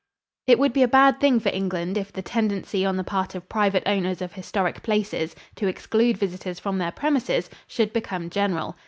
It would be a bad thing for England if the tendency on the part of private owners of historic places, to exclude visitors from their premises, should become general.